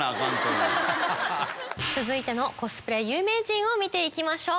続いてのコスプレ有名人を見て行きましょう。